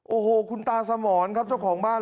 โอ้โหคุณตาสมรครับเจ้าของบ้าน